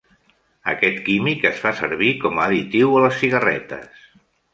Aquest químic es fa servir com a additiu a les cigarretes.